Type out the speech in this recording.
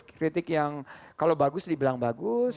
kritik yang kalau bagus dibilang bagus